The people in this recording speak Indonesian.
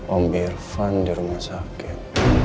om birvan di rumah sakit